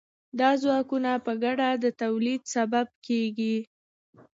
دا ځواکونه په ګډه د تولید سبب کیږي.